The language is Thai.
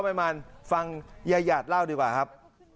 ใหม่ฟังยาหยาดเล่าดีกว่าครับ